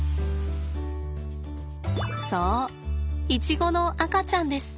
そうイチゴの赤ちゃんです。